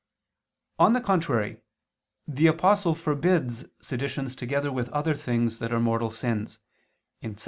On the contrary, The Apostle forbids seditions together with other things that are mortal sins (2 Cor.